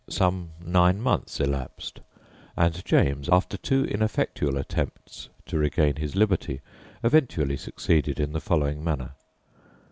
Some nine months elapsed, and James, after two ineffectual attempts to regain his liberty, eventually succeeded in the following manner.